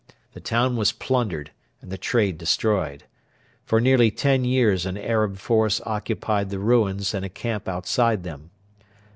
The town was plundered and the trade destroyed. For nearly ten years an Arab force occupied the ruins and a camp outside them.